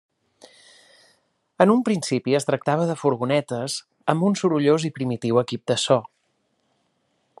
En un principi es tractava de furgonetes amb un sorollós i primitiu equip de so.